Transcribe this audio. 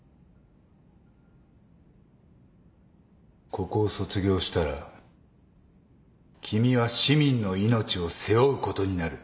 ここを卒業したら君は市民の命を背負うことになる。